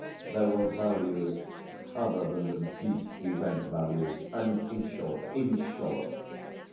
There were values other than the beastly rent values, and in short, in short